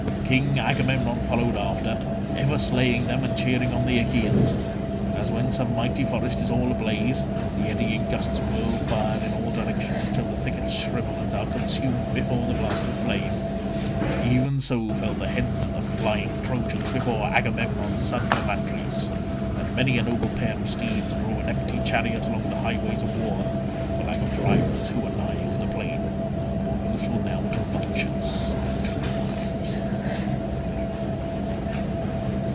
King Agamemnon followed after, ever slaying them and cheering on the Achaeans. As when some mighty forest is all ablaze—the eddying gusts whirl fire in all directions till the thickets shrivel and are consumed before the blast of the flame—even so fell the heads of the flying Trojans before Agamemnon son of Atreus, and many a noble pair of steeds drew an empty chariot along the highways of war, for lack of drivers who were lying on the plain, more useful now to vultures than to their wives.